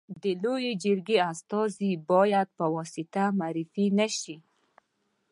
د لويي جرګي استازي باید په واسطه معرفي نه سي.